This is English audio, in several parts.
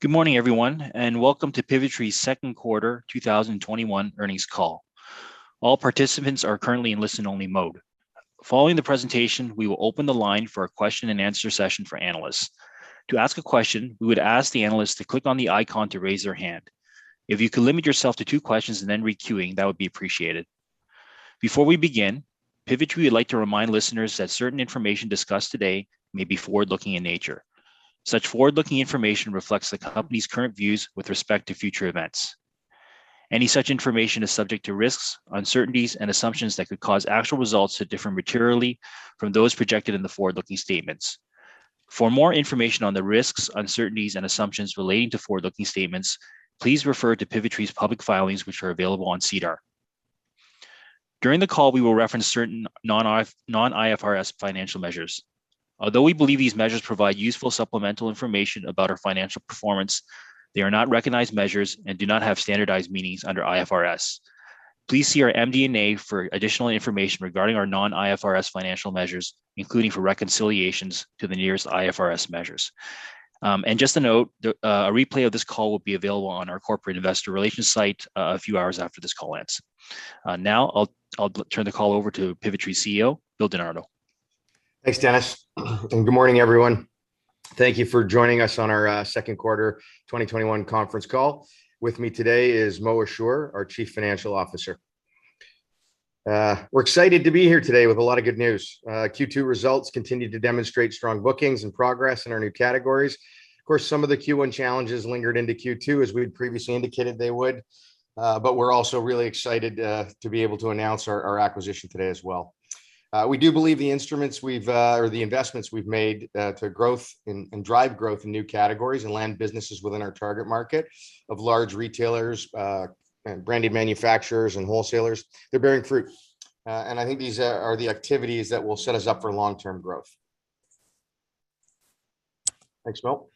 Good morning, everyone, and welcome to Pivotree's second quarter 2021 earnings call. All participants are currently in listen-only mode. Following the presentation, we will open the line for a question and answer session for analysts. To ask a question, we would ask the analyst to click on the icon to raise their hand. If you could limit yourself to two questions and then requeuing, that would be appreciated. Before we begin, Pivotree would like to remind listeners that certain information discussed today may be forward-looking in nature. Such forward-looking information reflects the company's current views with respect to future events. Any such information is subject to risks, uncertainties, and assumptions that could cause actual results to differ materially from those projected in the forward-looking statements. For more information on the risks, uncertainties, and assumptions relating to forward-looking statements, please refer to Pivotree's public filings, which are available on SEDAR. During the call, we will reference certain non-IFRS financial measures. Although we believe these measures provide useful supplemental information about our financial performance, they are not recognized measures and do not have standardized meanings under IFRS. Please see our MD&A for additional information regarding our non-IFRS financial measures, including for reconciliations to the nearest IFRS measures. Just a note, a replay of this call will be available on our corporate investor relations site a few hours after this call ends. Now, I'll turn the call over to Pivotree CEO, Bill Di Nardo. Thanks, Dennis. Good morning, everyone. Thank you for joining us on our second quarter 2021 conference call. With me today is Mo Ashoor, our Chief Financial Officer. We're excited to be here today with a lot of good news. Q2 results continued to demonstrate strong bookings and progress in our new categories. Of course, some of the Q1 challenges lingered into Q2 as we had previously indicated they would. We're also really excited to be able to announce our acquisition today as well. We do believe the investments we've made to growth and drive growth in new categories and land businesses within our target market of large retailers, branded manufacturers, and wholesalers, they're bearing fruit. I think these are the activities that will set us up for long-term growth. Thanks, Mo.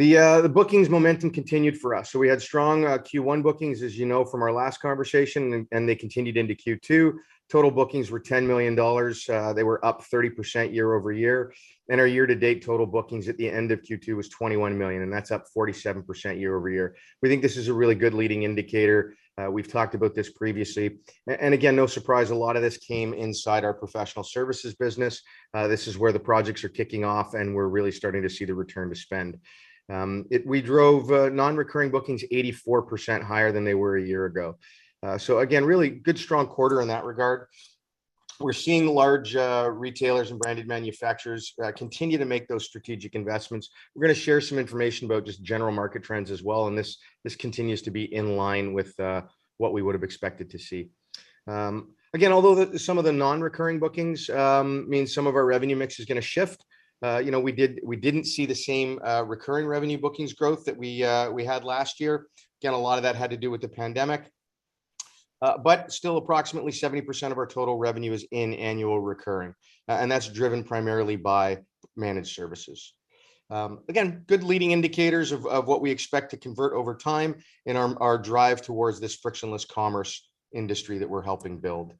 The bookings momentum continued for us. We had strong Q1 bookings, as you know from our last conversation, and they continued into Q2. Total bookings were 10 million dollars. They were up 30% year-over-year. Our year-to-date total bookings at the end of Q2 was 21 million, and that is up 47% year-over-year. We think this is a really good leading indicator. We have talked about this previously. Again, no surprise, a lot of this came inside our professional services business. This is where the projects are kicking off, and we are really starting to see the return to spend. We drove non-recurring bookings 84% higher than they were a year ago. Again, really good strong quarter in that regard. We are seeing large retailers and branded manufacturers continue to make those strategic investments. We're going to share some information about just general market trends as well, and this continues to be in line with what we would've expected to see. Again, although some of the non-recurring bookings means some of our revenue mix is going to shift. We didn't see the same recurring revenue bookings growth that we had last year. Again, a lot of that had to do with the pandemic. Still approximately 70% of our total revenue is in annual recurring. That's driven primarily by managed services. Again, good leading indicators of what we expect to convert over time in our drive towards this frictionless commerce industry that we're helping build.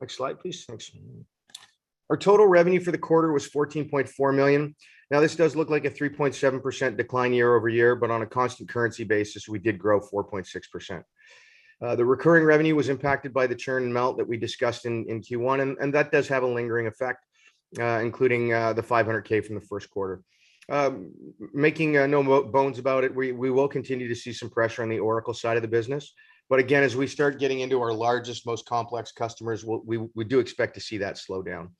Next slide, please. Thanks. Our total revenue for the quarter was 14.4 million. This does look like a 3.7% decline year-over-year, but on a constant currency basis, we did grow 4.6%. The recurring revenue was impacted by the churn melt that we discussed in Q1. That does have a lingering effect, including the 500,000 from the first quarter. Making no bones about it, we will continue to see some pressure on the Oracle side of the business. Again, as we start getting into our largest, most complex customers, we do expect to see that slow down.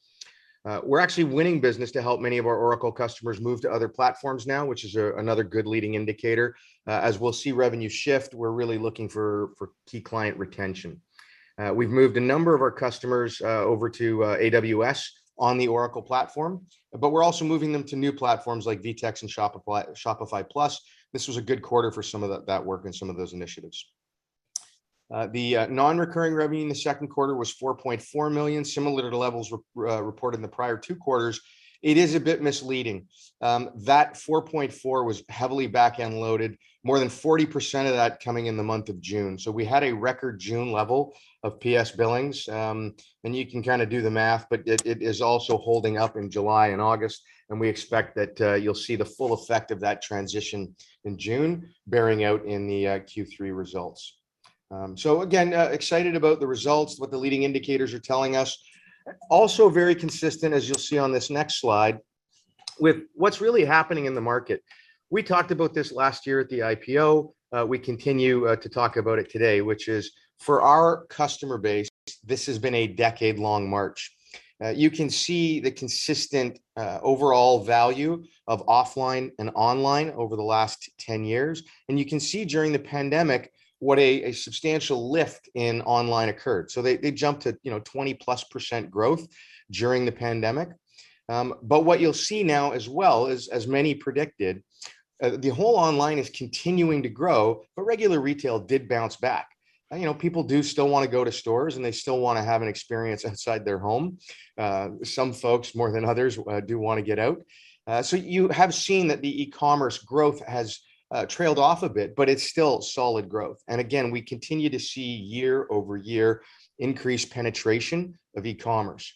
We're actually winning business to help many of our Oracle customers move to other platforms now, which is another good leading indicator. We'll see revenue shift, we're really looking for key client retention. We've moved a number of our customers over to AWS on the Oracle platform. We're also moving them to new platforms like VTEX and Shopify Plus. This was a good quarter for some of that work and some of those initiatives. The non-recurring revenue in the second quarter was 4.4 million, similar to levels reported in the prior two quarters. It is a bit misleading. That 4.4 was heavily back-end loaded, more than 40% of that coming in the month of June. You can kind of do the math, but it is also holding up in July and August, and we expect that you'll see the full effect of that transition in June bearing out in the Q3 results. Again, excited about the results, what the leading indicators are telling us. Also very consistent, as you'll see on this next slide, with what's really happening in the market. We talked about this last year at the IPO. We continue to talk about it today, which is for our customer base, this has been a decade-long march. You can see the consistent overall value of offline and online over the last 10 years. You can see during the pandemic what a substantial lift in online occurred. They jumped at 20%+ growth during the pandemic. What you'll see now as well is, as many predicted, the whole online is continuing to grow, but regular retail did bounce back. People do still want to go to stores, and they still want to have an experience outside their home. Some folks, more than others, do want to get out. You have seen that the e-commerce growth has trailed off a bit, but it's still solid growth. Again, we continue to see year-over-year increased penetration of e-commerce.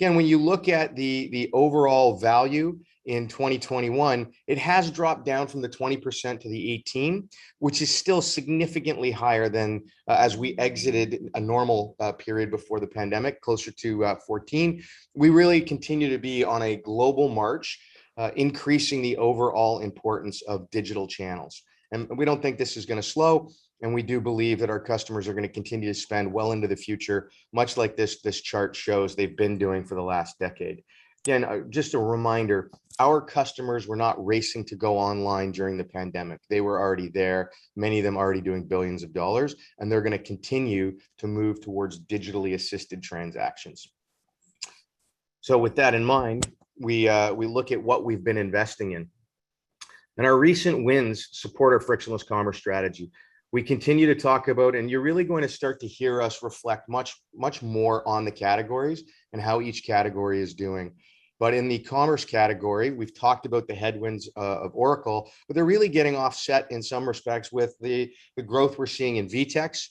Again, when you look at the overall value in 2021, it has dropped down from the 20% to the 18%, which is still significantly higher than as we exited a normal period before the pandemic, closer to 14%. We really continue to be on a global march, increasing the overall importance of digital channels. We don't think this is going to slow, and we do believe that our customers are going to continue to spend well into the future, much like this chart shows they've been doing for the last decade. Again, just a reminder, our customers were not racing to go online during the pandemic. They were already there, many of them already doing billions of dollars, and they're going to continue to move towards digitally assisted transactions. With that in mind, we look at what we've been investing in. Our recent wins support our frictionless commerce strategy. We continue to talk about, and you're really going to start to hear us reflect much more on the categories and how each category is doing, but in the commerce category, we've talked about the headwinds of Oracle, but they're really getting offset in some respects with the growth we're seeing in VTEX.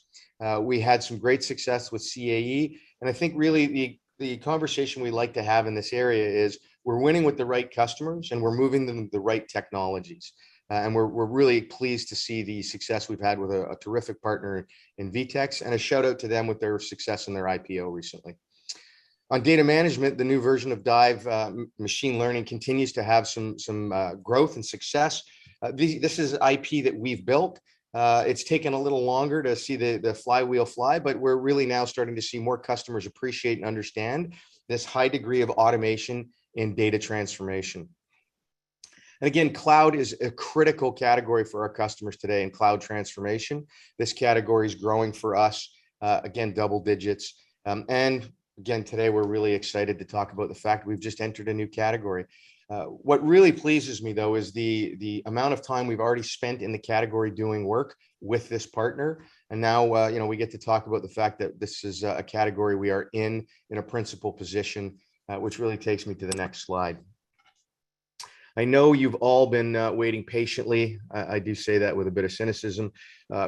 We had some great success with CAE, and I think really the conversation we like to have in this area is we're winning with the right customers, and we're moving them to the right technologies. We're really pleased to see the success we've had with a terrific partner in VTEX, and a shout-out to them with their success in their IPO recently. On data management, the new version of DIVE Machine Learning continues to have some growth and success. This is IP that we've built. It's taken a little longer to see the flywheel fly, but we're really now starting to see more customers appreciate and understand this high degree of automation in data transformation. Again, cloud is a critical category for our customers today in cloud transformation. This category is growing for us, again, double digits. Again, today we're really excited to talk about the fact we've just entered a new category. What really pleases me, though, is the amount of time we've already spent in the category doing work with this partner, and now we get to talk about the fact that this is a category we are in a principal position, which really takes me to the next slide. I know you've all been waiting patiently, I do say that with a bit of cynicism,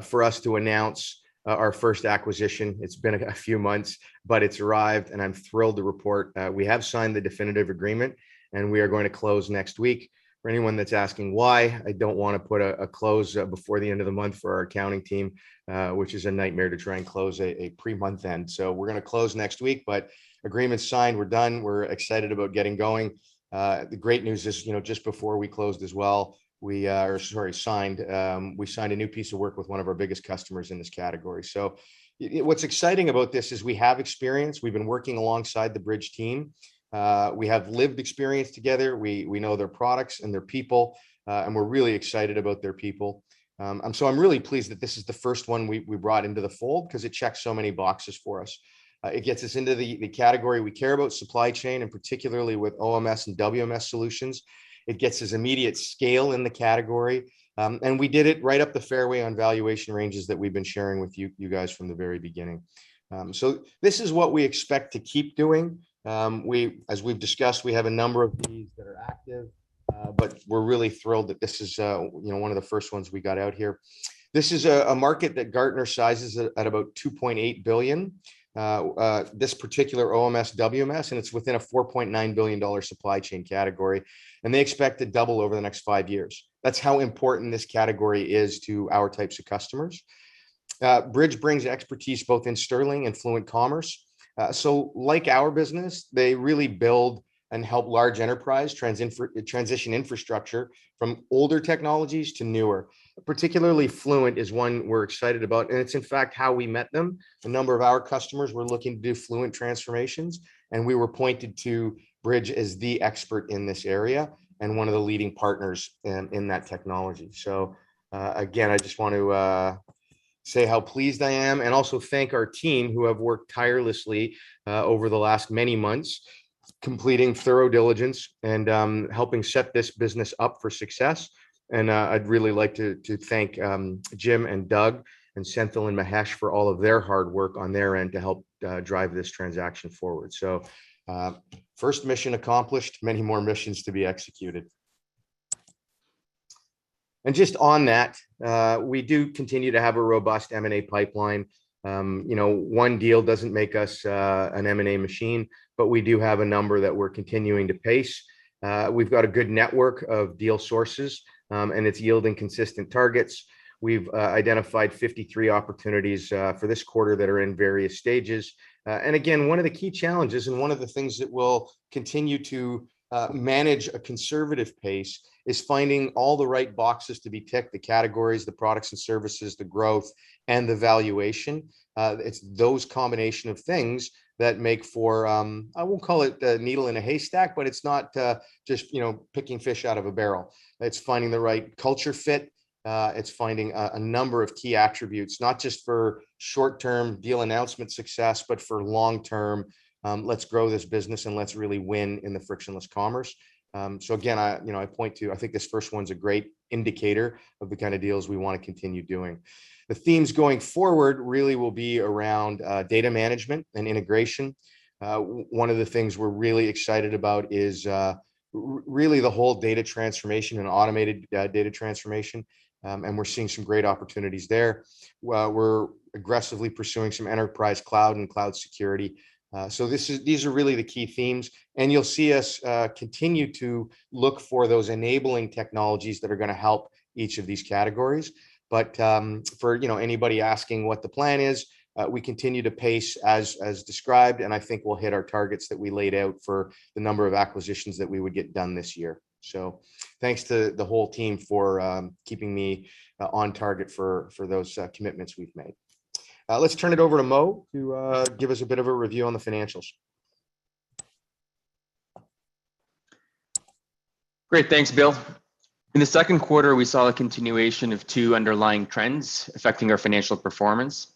for us to announce our first acquisition. It's been a few months, but it's arrived, and I'm thrilled to report we have signed the definitive agreement, and we are going to close next week. For anyone that's asking why, I don't want to put a close before the end of the month for our accounting team, which is a nightmare to try and close a pre-month end. We're going to close next week, but agreement's signed. We're done. We're excited about getting going. The great news is, just before we closed as well, or sorry, signed, we signed a new piece of work with one of our biggest customers in this category. What's exciting about this is we have experience. We've been working alongside the Bridge team. We have lived experience together. We know their products and their people, and we're really excited about their people. I'm really pleased that this is the first one we brought into the fold because it checks so many boxes for us. It gets us into the category we care about, supply chain, and particularly with OMS and WMS solutions. It gets us immediate scale in the category, and we did it right up the fairway on valuation ranges that we've been sharing with you guys from the very beginning. This is what we expect to keep doing. As we've discussed, we have a number of these that are active, but we're really thrilled that this is one of the first ones we got out here. This is a market that Gartner sizes at about 2.8 billion, this particular OMS/WMS, and it's within a 4.9 billion dollar supply chain category, and they expect to double over the next five years. That's how important this category is to our types of customers. Bridge brings expertise both in Sterling and Fluent Commerce. So like our business, they really build and help large enterprise transition infrastructure from older technologies to newer. Particularly Fluent is one we're excited about, and it's in fact how we met them. A number of our customers were looking to do Fluent transformations, and we were pointed to Bridge as the expert in this area and one of the leading partners in that technology. So again, I just want to say how pleased I am and also thank our team who have worked tirelessly over the last many months completing thorough diligence and helping set this business up for success, and I'd really like to thank Jim and Doug and Senthil and Mahesh for all of their hard work on their end to help drive this transaction forward. First mission accomplished, many more missions to be executed. Just on that, we do continue to have a robust M&A pipeline. One deal doesn't make us an M&A machine, but we do have a number that we're continuing to pace. We've got a good network of deal sources, and it's yielding consistent targets. We've identified 53 opportunities for this quarter that are in various stages. Again, one of the key challenges and one of the things that we'll continue to manage a conservative pace is finding all the right boxes to be ticked, the categories, the products and services, the growth, and the valuation. It's those combination of things that make for, I won't call it the needle in a haystack, but it's not just picking fish out of a barrel. It's finding the right culture fit. It's finding a number of key attributes, not just for short-term deal announcement success, but for long-term, let's grow this business and let's really win in the Frictionless Commerce. Again, I point to, I think this first one's a great indicator of the kind of deals we want to continue doing. The themes going forward really will be around data management and integration. One of the things we're really excited about is really the whole data transformation and automated data transformation, and we're seeing some great opportunities there. We're aggressively pursuing some enterprise cloud and cloud security. These are really the key themes, and you'll see us continue to look for those enabling technologies that are going to help each of these categories. For anybody asking what the plan is, we continue to pace as described, I think we'll hit our targets that we laid out for the number of acquisitions that we would get done this year. Thanks to the whole team for keeping me on target for those commitments we've made. Let's turn it over to Mo to give us a bit of a review on the financials. Great. Thanks, Bill. In the second quarter, we saw a continuation of two underlying trends affecting our financial performance.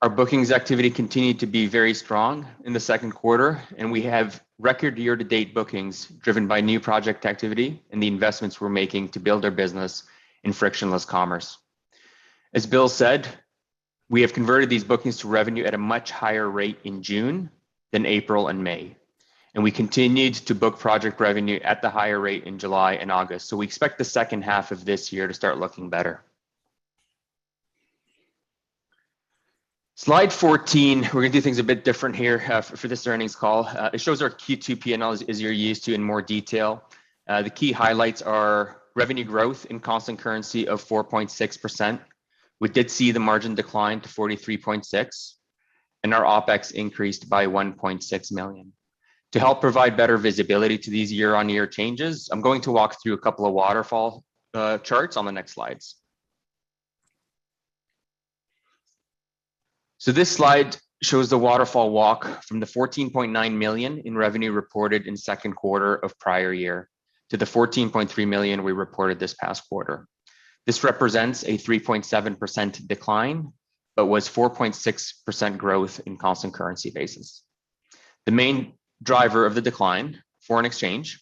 Our bookings activity continued to be very strong in the second quarter, and we have record year-to-date bookings driven by new project activity and the investments we're making to build our business in frictionless commerce. As Bill said, we have converted these bookings to revenue at a much higher rate in June than April and May. We continued to book project revenue at the higher rate in July and August. We expect the second half of this year to start looking better. Slide 14, we're going to do things a bit different here for this earnings call. It shows our Q2 P&L as you're used to in more detail. The key highlights are revenue growth in constant currency of 4.6%. We did see the margin decline to 43.6%, and our OPEX increased by 1.6 million. To help provide better visibility to these year-on-year changes, I'm going to walk through a couple of waterfall charts on the next slides. This slide shows the waterfall walk from the 14.9 million in revenue reported in second quarter of prior year to the 14.3 million we reported this past quarter. This represents a 3.7% decline, but was 4.6% growth in constant currency basis. The main driver of the decline, foreign exchange,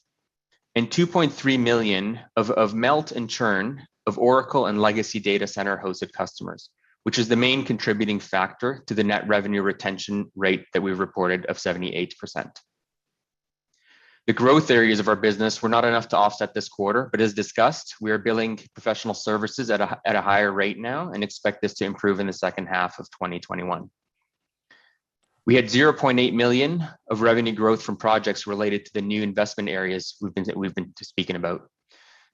and 2.3 million of melt and churn of Oracle and legacy data center hosted customers, which is the main contributing factor to the net revenue retention rate that we reported of 78%. The growth areas of our business were not enough to offset this quarter. As discussed, we are billing professional services at a higher rate now and expect this to improve in the second half of 2021. We had 0.8 million of revenue growth from projects related to the new investment areas we've been speaking about.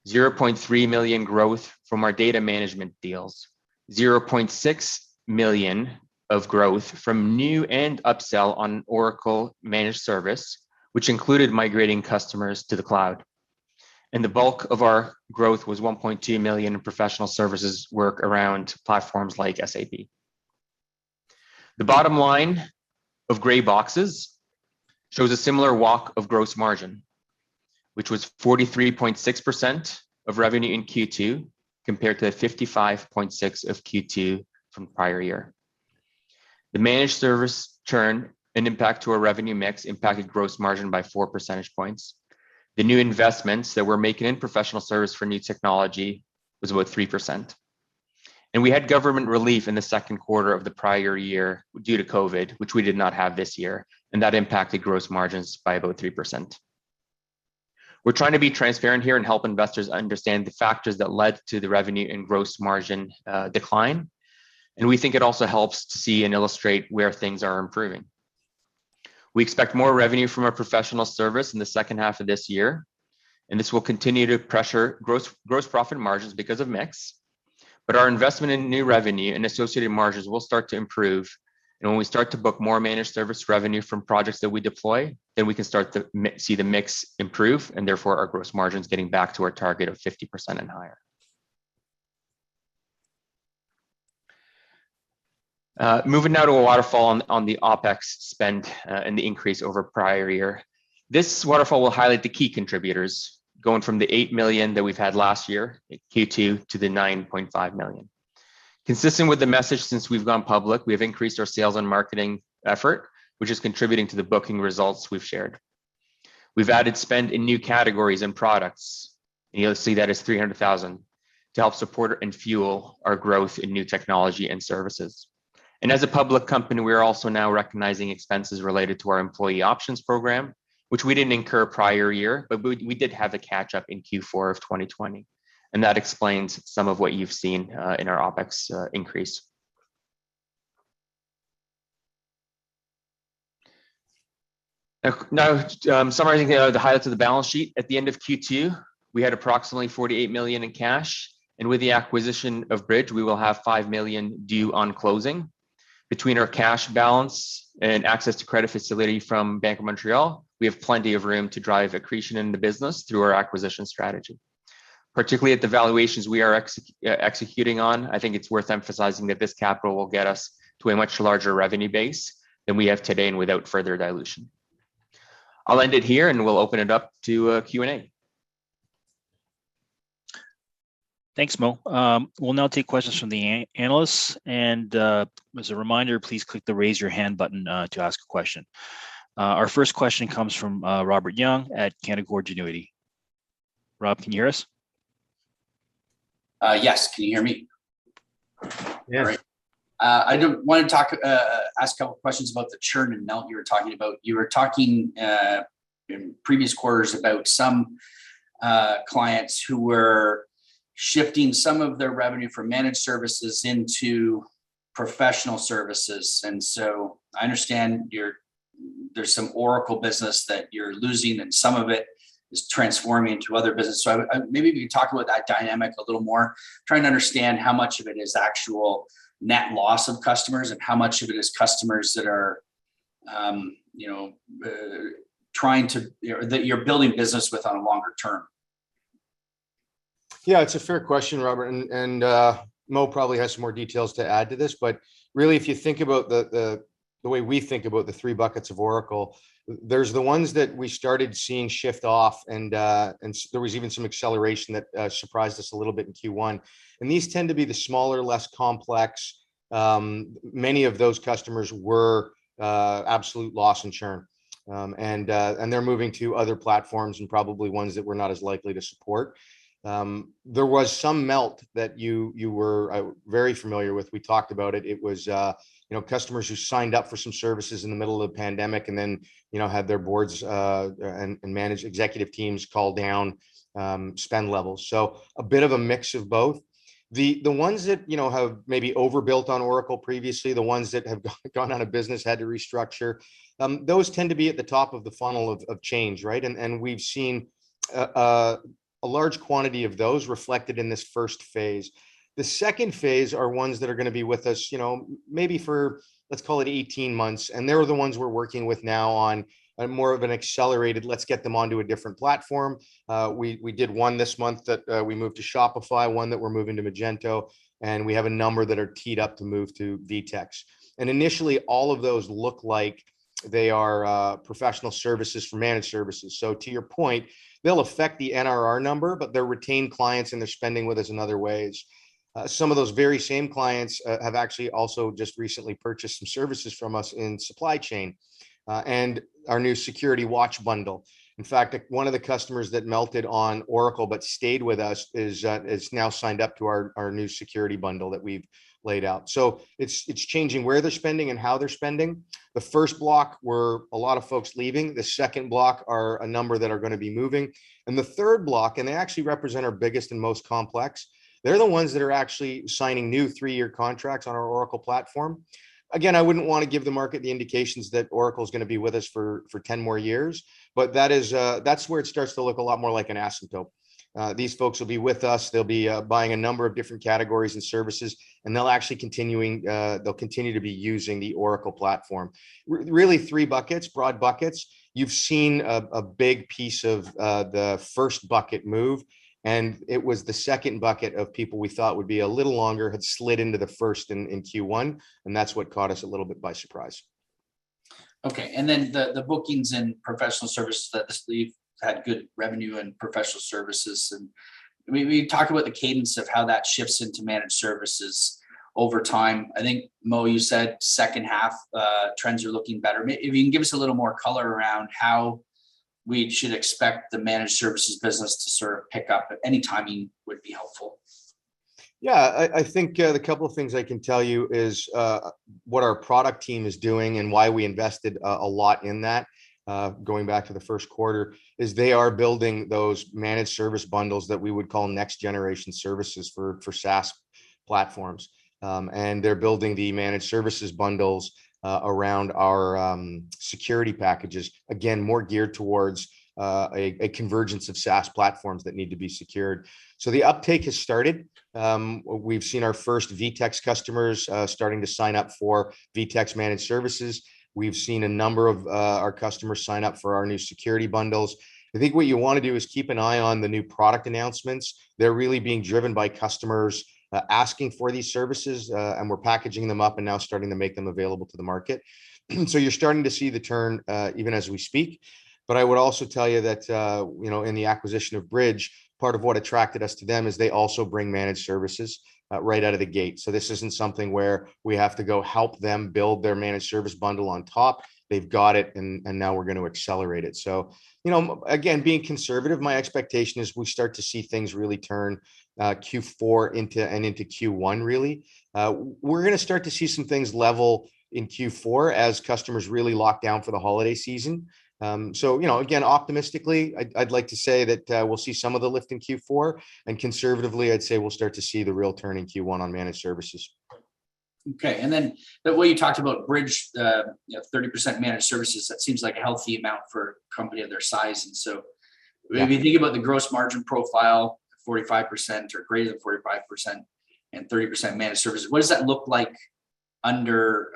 0.3 million growth from our data management deals. 0.6 million of growth from new and upsell on Oracle managed service, which included migrating customers to the cloud. The bulk of our growth was 1.2 million in professional services work around platforms like SAP. The bottom line of gray boxes shows a similar walk of gross margin, which was 43.6% of revenue in Q2, compared to 55.6% of Q2 from prior year. The managed service churn and impact to our revenue mix impacted gross margin by four percentage points. The new investments that we're making in professional service for new technology was about 3%. We had government relief in the 2nd quarter of the prior year due to COVID, which we did not have this year, and that impacted gross margins by about 3%. We're trying to be transparent here and help investors understand the factors that led to the revenue and gross margin decline. We think it also helps to see and illustrate where things are improving. We expect more revenue from our professional service in the 2nd half of this year, and this will continue to pressure gross profit margins because of mix. Our investment in new revenue and associated margins will start to improve. When we start to book more managed service revenue from projects that we deploy, then we can start to see the mix improve, and therefore our gross margins getting back to our target of 50% and higher. Moving now to a waterfall on the OPEX spend and the increase over prior year. This waterfall will highlight the key contributors, going from the 8 million that we've had last year in Q2 to the 9.5 million. Consistent with the message since we've gone public, we've increased our sales and marketing effort, which is contributing to the booking results we've shared. We've added spend in new categories and products, and you'll see that as 300,000, to help support and fuel our growth in new technology and services. As a public company, we are also now recognizing expenses related to our employee options program, which we didn't incur prior year, but we did have a catch up in Q4 2020, and that explains some of what you've seen in our OPEX increase. Summarizing the highlights of the balance sheet. At the end of Q2, we had approximately 48 million in cash, and with the acquisition of Bridge, we will have 5 million due on closing. Between our cash balance and access to credit facility from Bank of Montreal, we have plenty of room to drive accretion in the business through our acquisition strategy. Particularly at the valuations we are executing on, I think it's worth emphasizing that this capital will get us to a much larger revenue base than we have today and without further dilution. I'll end it here, and we'll open it up to Q&A. Thanks, Mo. We'll now take questions from the analysts. As a reminder, please click the Raise Your Hand button to ask a question. Our first question comes from Robert Young at Canaccord Genuity. Rob, can you hear us? Yes. Can you hear me? Yes. Great. I wanted to ask a couple of questions about the churn and melt you were talking about. You were talking in previous quarters about some clients who were shifting some of their revenue from managed services into professional services. I understand there's some Oracle business that you're losing, and some of it is transforming to other business. Maybe if you could talk about that dynamic a little more, trying to understand how much of it is actual net loss of customers and how much of it is customers that you're building business with on a longer term. Yeah, it's a fair question, Robert, and Mo probably has some more details to add to this. Really, if you think about the way we think about the three buckets of Oracle, there's the ones that we started seeing shift off, and there was even some acceleration that surprised us a little bit in Q1. These tend to be the smaller, less complex. Many of those customers were absolute loss in churn. They're moving to other platforms, and probably ones that we're not as likely to support. There was some melt that you were very familiar with. We talked about it. It was customers who signed up for some services in the middle of the pandemic then had their boards and managed executive teams call down spend levels. A bit of a mix of both. The ones that have maybe overbuilt on Oracle previously, the ones that have gone out of business, had to restructure, those tend to be at the top of the funnel of change, right? We've seen a large quantity of those reflected in this first phase. The second phase are ones that are going to be with us maybe for, let's call it 18 months, they're the ones we're working with now on a more of an accelerated let's get them onto a different platform. We did one this month that we moved to Shopify, one that we're moving to Magento, we have a number that are teed up to move to VTEX. Initially, all of those look like they are professional services for managed services. To your point, they'll affect the NRR number, they're retained clients, they're spending with us in other ways. Some of those very same clients have actually also just recently purchased some services from us in supply chain, and our new security watch bundle. One of the customers that melted on Oracle but stayed with us is now signed up to our new security bundle that we've laid out. It's changing where they're spending and how they're spending. The first block were a lot of folks leaving. The second block are a number that are going to be moving. The third block, and they actually represent our biggest and most complex, they're the ones that are actually signing new three-year contracts on our Oracle platform. I wouldn't want to give the market the indications that Oracle's going to be with us for 10 more years, but that's where it starts to look a lot more like an asymptote. These folks will be with us. They'll be buying a number of different categories and services, and they'll continue to be using the Oracle platform. Really three buckets, broad buckets. You've seen a big piece of the first bucket move, and it was the second bucket of people we thought would be a little longer, had slid into the first in Q1, and that's what caught us a little bit by surprise. Okay. Then the bookings and professional services that this leave had good revenue in professional services. We talked about the cadence of how that shifts into managed services over time. I think, Mo, you said second half trends are looking better. If you can give us a little more color around how we should expect the managed services business to sort of pick up, any timing would be helpful. I think the couple of things I can tell you is what our product team is doing and why we invested a lot in that, going back to the first quarter, is they are building those managed service bundles that we would call next generation services for SaaS platforms. They're building the managed services bundles around our security packages, again, more geared towards a convergence of SaaS platforms that need to be secured. The uptake has started. We've seen our first VTEX customers starting to sign up for VTEX managed services. We've seen a number of our customers sign up for our new security bundles. I think what you want to do is keep an eye on the new product announcements. They're really being driven by customers asking for these services, and we're packaging them up and now starting to make them available to the market. You're starting to see the turn even as we speak. I would also tell you that in the acquisition of Bridge, part of what attracted us to them is they also bring managed services right out of the gate. This isn't something where we have to go help them build their managed service bundle on top. They've got it, and now we're going to accelerate it. Again, being conservative, my expectation is we start to see things really turn Q4 and into Q1, really. We're going to start to see some things level in Q4 as customers really lock down for the holiday season. Again, optimistically, I'd like to say that we'll see some of the lift in Q4, and conservatively, I'd say we'll start to see the real turn in Q1 on managed services. Okay. The way you talked about Bridge, 30% managed services, that seems like a healthy amount for a company of their size. When you think about the gross margin profile, 45% or greater than 45% and 30% managed services, what does that look like under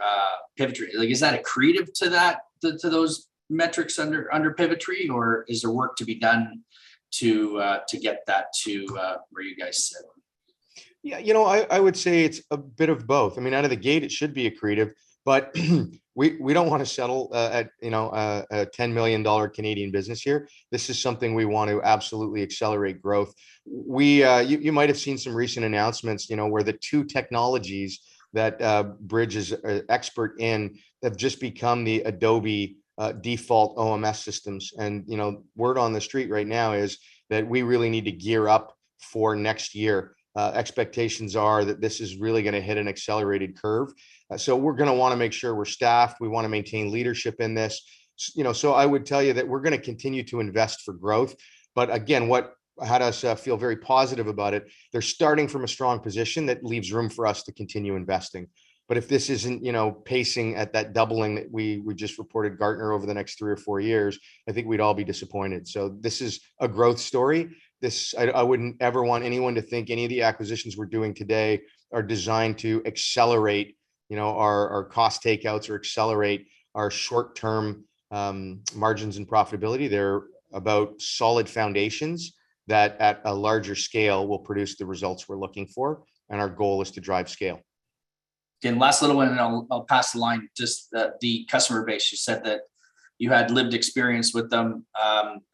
Pivotree? Is that accretive to those metrics under Pivotree, or is there work to be done to get that to where you guys said? Yeah. I would say it's a bit of both. Out of the gate, it should be accretive. We don't want to settle at a 10 million dollar business here. This is something we want to absolutely accelerate growth. You might have seen some recent announcements where the two technologies that Bridge is expert in have just become the Adobe default OMS systems. Word on the street right now is that we really need to gear up for next year. Expectations are that this is really going to hit an accelerated curve. We're going to want to make sure we're staffed, we want to maintain leadership in this. I would tell you that we're going to continue to invest for growth. Again, what had us feel very positive about it, they're starting from a strong position that leaves room for us to continue investing. If this isn't pacing at that doubling that we just reported Gartner over the next 3 or 4 years, I think we'd all be disappointed. This is a growth story. I wouldn't ever want anyone to think any of the acquisitions we're doing today are designed to accelerate our cost takeouts or accelerate our short-term margins and profitability. They're about solid foundations that at a larger scale will produce the results we're looking for, and our goal is to drive scale. Last little one, then I'll pass the line. Just the customer base, you said that you had lived experience with them.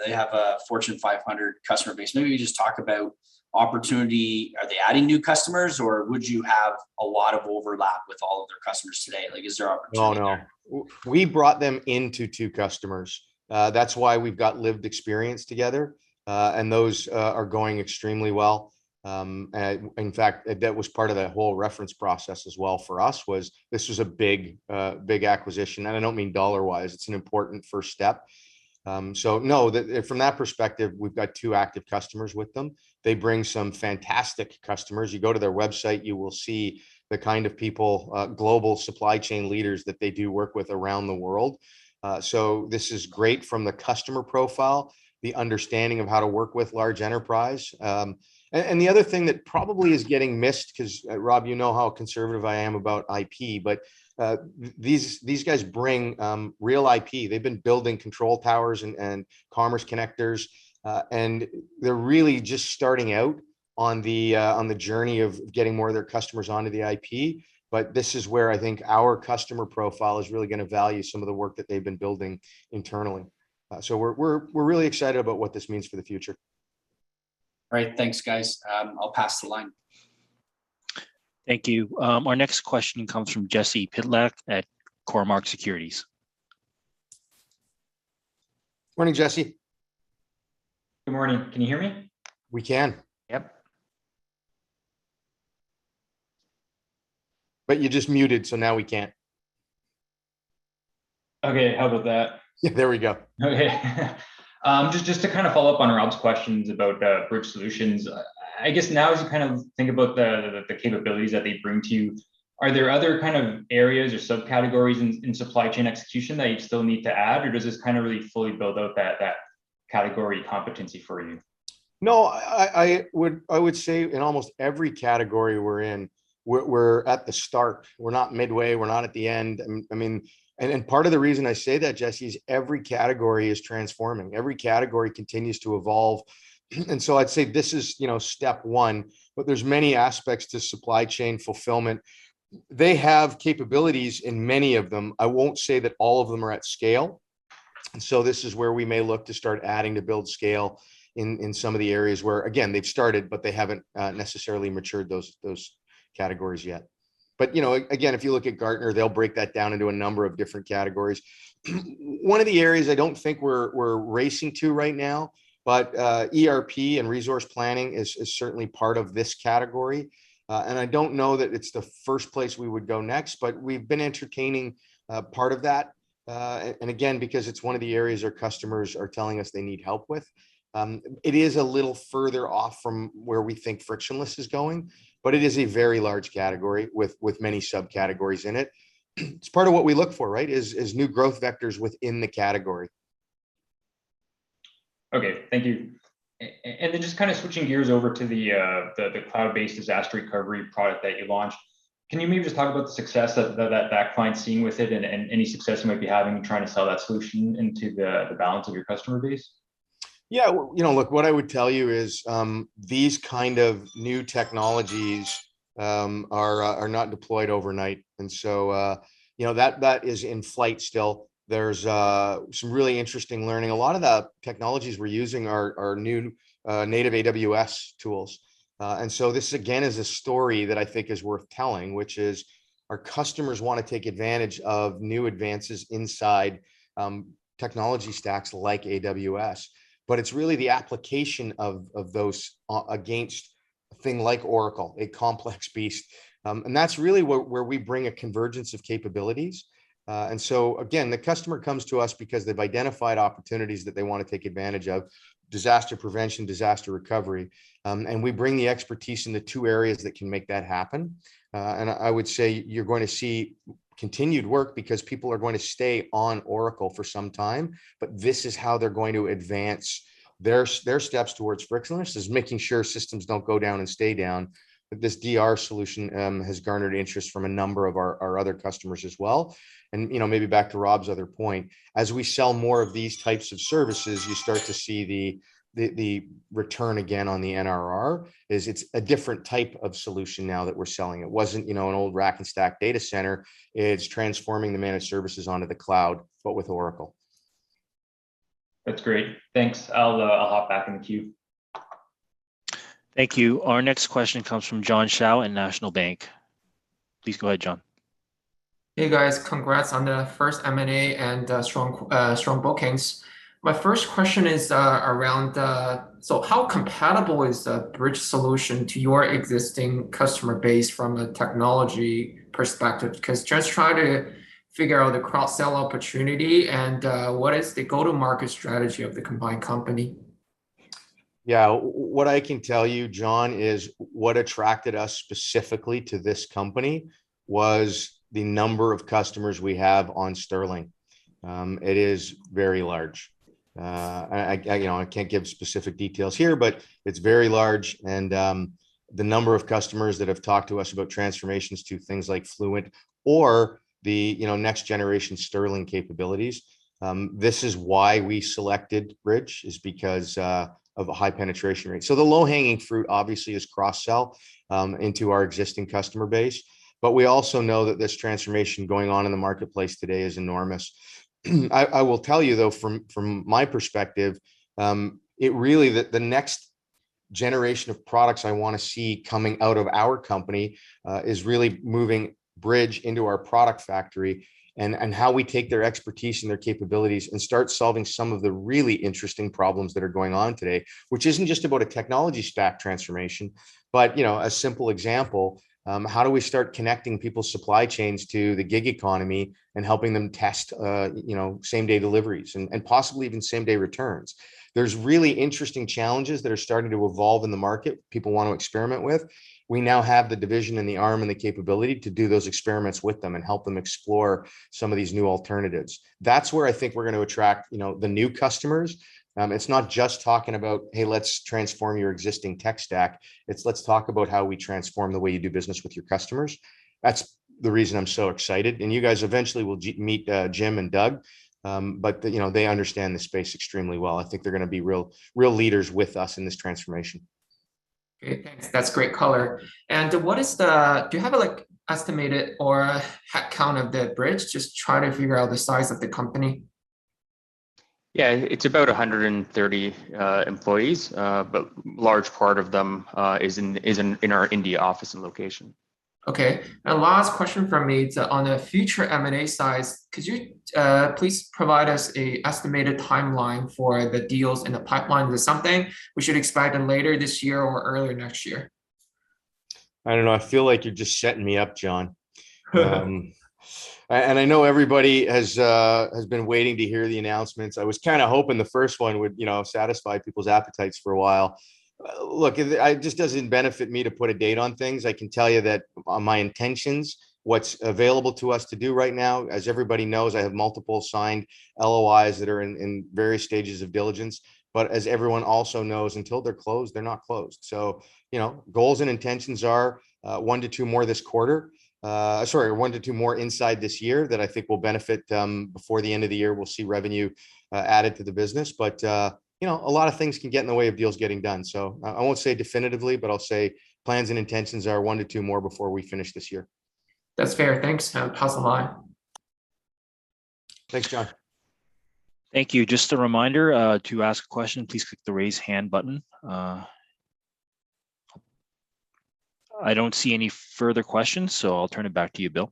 They have a Fortune 500 customer base. Maybe you just talk about opportunity. Are they adding new customers, or would you have a lot of overlap with all of their customers today? Is there opportunity there? No. We brought them into two customers. That's why we've got lived experience together. Those are going extremely well. In fact, that was part of that whole reference process as well for us was this was a big acquisition, and I don't mean dollar-wise. It's an important first step. No, from that perspective, we've got two active customers with them. They bring some fantastic customers. You go to their website, you will see the kind of people, global supply chain leaders that they do work with around the world. This is great from the customer profile, the understanding of how to work with large enterprise. The other thing that probably is getting missed, because Rob, you know how conservative I am about IP, these guys bring real IP. They've been building control towers and commerce connectors. They're really just starting out on the journey of getting more of their customers onto the IP. This is where I think our customer profile is really going to value some of the work that they've been building internally. We're really excited about what this means for the future. All right. Thanks, guys. I'll pass the line. Thank you. Our next question comes from Jesse Pytlak at Cormark Securities. Morning, Jesse. Good morning. Can you hear me? We can. Yep. You just muted, so now we can't. Okay, how about that? There we go. Okay. Just to kind of follow up on Robert's questions about Bridge Solutions, I guess now as you kind of think about the capabilities that they bring to you, are there other kind of areas or subcategories in supply chain execution that you still need to add, or does this kind of really fully build out that category competency for you? No, I would say in almost every category we're in, we're at the start. We're not midway, we're not at the end. Part of the reason I say that, Jesse, is every category is transforming. Every category continues to evolve. I'd say this is step one. There's many aspects to supply chain fulfillment. They have capabilities in many of them. I won't say that all of them are at scale. This is where we may look to start adding to build scale in some of the areas where, again, they've started, but they haven't necessarily matured those categories yet. Again, if you look at Gartner, they'll break that down into a number of different categories. One of the areas I don't think we're racing to right now, but ERP and resource planning is certainly part of this category. I don't know that it's the first place we would go next, but we've been entertaining part of that. Again, because it's one of the areas our customers are telling us they need help with. It is a little further off from where we think Frictionless is going, but it is a very large category with many subcategories in it. It's part of what we look for, right, is new growth vectors within the category. Okay. Thank you. Just kind of switching gears over to the cloud-based disaster recovery product that you launched. Can you maybe just talk about the success that that client's seeing with it and any success you might be having in trying to sell that solution into the balance of your customer base? Yeah. Look, what I would tell you is these kind of new technologies are not deployed overnight. That is in flight still. There's some really interesting learning. A lot of the technologies we're using are new native AWS tools. This again is a story that I think is worth telling, which is our customers want to take advantage of new advances inside technology stacks like AWS. But it's really the application of those against a thing like Oracle, a complex beast. That's really where we bring a convergence of capabilities. Again, the customer comes to us because they've identified opportunities that they want to take advantage of, disaster prevention, disaster recovery. We bring the expertise in the two areas that can make that happen. I would say you're going to see continued work because people are going to stay on Oracle for some time, but this is how they're going to advance their steps towards frictionless, is making sure systems don't go down and stay down. This DR solution has garnered interest from a number of our other customers as well. Maybe back to Rob's other point, as we sell more of these types of services, you start to see the return again on the NRR, is it's a different type of solution now that we're selling. It wasn't an old rack and stack data center. It's transforming the managed services onto the cloud, but with Oracle. That's great. Thanks. I'll hop back in the queue. Thank you. Our next question comes from John Shao in National Bank. Please go ahead, John. Hey, guys. Congrats on the first M&A and strong bookings. My first question is around, how compatible is the Bridge solution to your existing customer base from a technology perspective? Just trying to figure out the cross-sell opportunity and what is the go-to-market strategy of the combined company? Yeah. What I can tell you, John, is what attracted us specifically to this company was the number of customers we have on Sterling. It is very large. I can't give specific details here, but it's very large, and the number of customers that have talked to us about transformations to things like Fluent or the next-generation Sterling capabilities. This is why we selected Bridge, is because of a high penetration rate. The low-hanging fruit, obviously, is cross-sell into our existing customer base. We also know that this transformation going on in the marketplace today is enormous. I will tell you, though, from my perspective, the next generation of products I want to see coming out of our company is really moving Bridge into our product factory, and how we take their expertise and their capabilities and start solving some of the really interesting problems that are going on today. Which isn't just about a technology stack transformation, but a simple example, how do we start connecting people's supply chains to the gig economy and helping them test same-day deliveries, and possibly even same-day returns? There's really interesting challenges that are starting to evolve in the market people want to experiment with. We now have the division and the arm and the capability to do those experiments with them and help them explore some of these new alternatives. That's where I think we're going to attract the new customers. It's not just talking about, "Hey, let's transform your existing tech stack." It's, "Let's talk about how we transform the way you do business with your customers." That's the reason I'm so excited. You guys eventually will meet Jim and Doug, but they understand the space extremely well. I think they're going to be real leaders with us in this transformation. Okay. Thanks. That's great color. Do you have an estimated or a head count of the Bridge? Just trying to figure out the size of the company. Yeah. It's about 130 employees. Large part of them is in our India office and location. Okay. Last question from me. On the future M&A size, could you please provide us an estimated timeline for the deals in the pipeline? Is there something we should expect in later this year or early next year? I don't know. I feel like you're just setting me up, John. I know everybody has been waiting to hear the announcements. I was kind of hoping the first one would satisfy people's appetites for a while. It just doesn't benefit me to put a date on things. I can tell you that my intentions, what's available to us to do right now, as everybody knows, I have multiple signed LOIs that are in various stages of diligence. As everyone also knows, until they're closed, they're not closed. Goals and intentions are one to two more this quarter. Sorry, one to two more inside this year that I think will benefit before the end of the year, we'll see revenue added to the business. A lot of things can get in the way of deals getting done. I won't say definitively, but I'll say plans and intentions are one to two more before we finish this year. That's fair. Thanks. Pass the line. Thanks, John. Thank you. Just a reminder, to ask a question, please click the raise hand button. I do not see any further questions, so I will turn it back to you, Bill.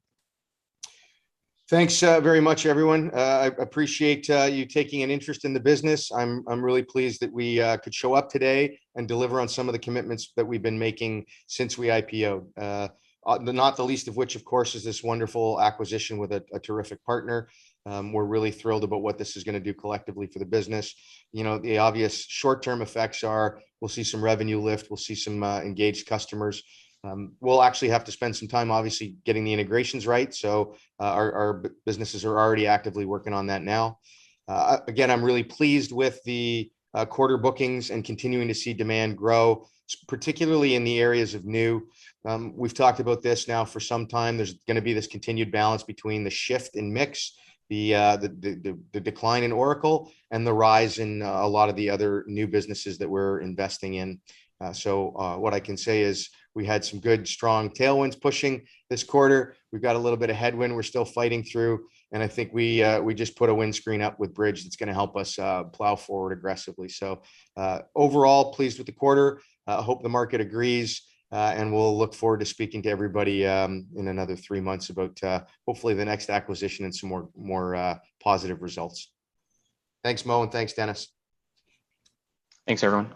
Thanks very much, everyone. I appreciate you taking an interest in the business. I'm really pleased that we could show up today and deliver on some of the commitments that we've been making since we IPO. Not the least of which, of course, is this wonderful acquisition with a terrific partner. We're really thrilled about what this is going to do collectively for the business. The obvious short-term effects are we'll see some revenue lift, we'll see some engaged customers. We'll actually have to spend some time, obviously, getting the integrations right. Our businesses are already actively working on that now. Again, I'm really pleased with the quarter bookings and continuing to see demand grow, particularly in the areas of new. We've talked about this now for some time. There's going to be this continued balance between the shift in mix, the decline in Oracle, and the rise in a lot of the other new businesses that we're investing in. What I can say is we had some good, strong tailwinds pushing this quarter. We've got a little bit of headwind we're still fighting through, and I think we just put a windscreen up with Bridge that's going to help us plow forward aggressively. Overall, pleased with the quarter. Hope the market agrees, and we'll look forward to speaking to everybody in another three months about hopefully the next acquisition and some more positive results. Thanks, Mo, and thanks, Dennis. Thanks, everyone.